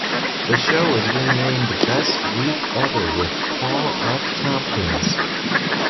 The show was renamed "Best Week Ever With Paul F. Tompkins".